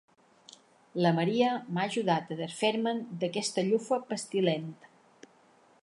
La Maria m'ha ajudat a desfer-me'n, d'aquesta llufa pestilent.